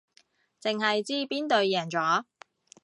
淨係知邊隊贏咗